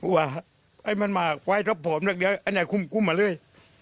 ว่าให้มันใม่ไฟซ์เดี๋ยวอาหารคุมมาเลย